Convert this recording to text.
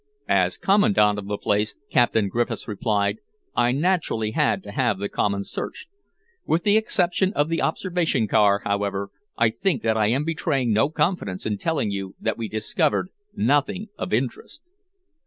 "As Commandant of the place," Captain Griffiths replied, "I naturally had to have the Common searched. With the exception of the observation car, however, I think that I am betraying no confidences in telling you that we discovered nothing of interest."